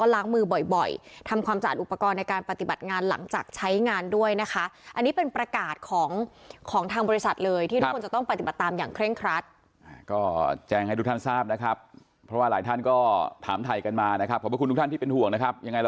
แล้วก็ล้างมือบ่อย